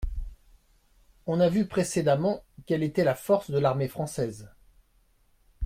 On a vu précédemment quelle était la force de l'armée française.